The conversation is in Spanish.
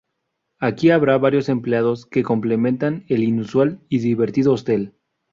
Aquí habrá varios empleados que complementan el inusual y divertido hostel.